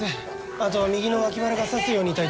あと右の脇腹が刺すように痛いって。